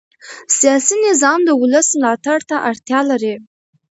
سیاسي نظام د ولس ملاتړ ته اړتیا لري